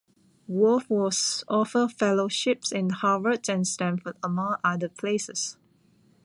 Wolfe was offered fellowships in Harvard and Stanford among other places.